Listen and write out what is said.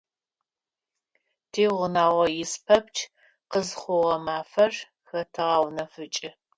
Тиунагъо ис пэпчъ къызыхъугъэ мафэр хэтэгъэунэфыкӀы.